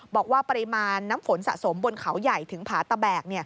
บอกว่าปริมาณน้ำฝนสะสมบนเขาใหญ่ถึงผาตะแบก